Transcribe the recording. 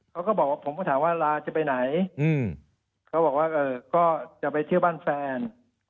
เขาก็บอกว่าผมก็ถามว่าลาจะไปไหนเขาบอกว่าก็จะไปเที่ยวบ้านแฟน